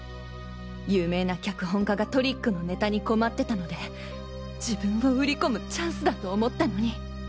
有名な脚本家がトリックのネタに困ってたので自分を売り込むチャンスだと思ったのに。